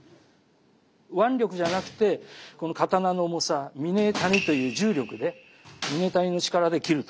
腕力じゃなくてこの刀の重さ嶺谷という重力で嶺谷の力で斬ると。